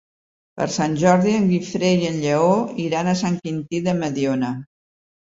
Per Sant Jordi en Guifré i en Lleó iran a Sant Quintí de Mediona.